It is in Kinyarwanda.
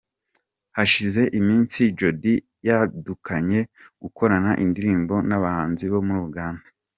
Hashize iminsi Jody yadukanye gukorana indirimbo n’abahanzi bo muri Uganda.